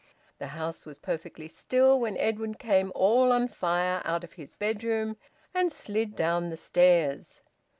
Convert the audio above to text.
The house was perfectly still when Edwin came all on fire out of his bedroom and slid down the stairs.